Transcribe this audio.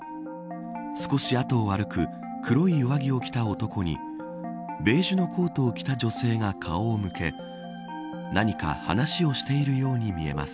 少し後を歩く黒い上着を着た男にベージュのコートを着た女性が顔を向け何か話をしているように見えます。